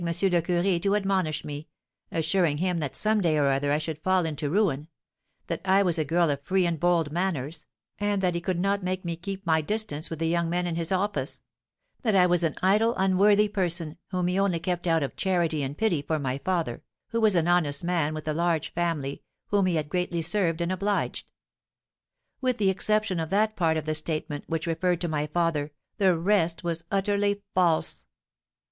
le Curé to admonish me, assuring him that some day or other I should fall into ruin; that I was a girl of free and bold manners, and that he could not make me keep my distance with the young men in his office; that I was an idle, unworthy person, whom he only kept out of charity and pity for my father, who was an honest man with a large family, whom he had greatly served and obliged. With the exception of that part of the statement which referred to my father, the rest was utterly false.